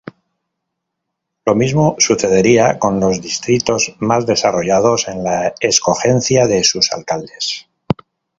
Lo mismo sucedería con los distritos más desarrollados en la escogencia de sus alcaldes.